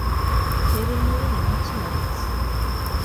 テーブルの上にマッチがあります。